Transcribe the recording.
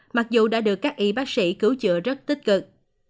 mặc dù đã được các y bác sĩ cứu chữa rất tích cực